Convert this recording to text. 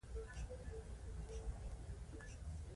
د بهرنیو مرستو تجربه یوه ښه مقایسه وړاندې کوي.